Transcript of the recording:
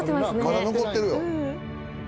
「まだ残ってるよ」